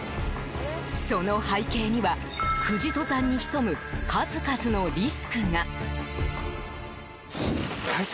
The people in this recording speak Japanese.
その背景には、富士登山に潜む数々のリスクが。